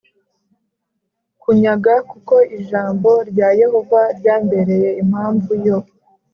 kunyaga l kuko ijambo rya Yehova ryambereye impamvu yo